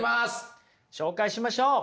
紹介しましょう。